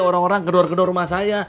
orang orang gedor gedor rumah saya